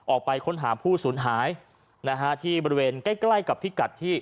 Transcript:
ออกไปค้นหาผู้สูญหายนะฮะที่บริเวณใกล้ใกล้กับพิกัดที่